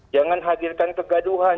jangan hadirkan kegaduhan